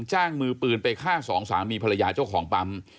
จ้างมือปืนไปฆ่าสองสามีภรรยาเจ้าของปั๊ม